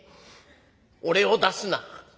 「俺を出すな」。